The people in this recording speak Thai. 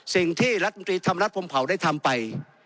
สิ่งที่รัฐมนตรีนำรัฐปลงเผ่าได้ทำไป